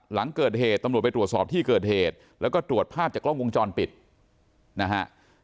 หลังเกิดเหตุตำรวจไปตรวจสอบที่เกิดเหตุแล้วก็ตรวจภาพจากกล้องวงจรปิดนะฮะ